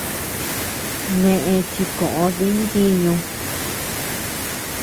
Neʼe chi koʼö di ntiñu.